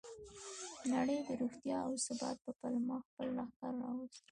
نړۍ د روغتیا او ثبات په پلمه خپل لښکر راوست.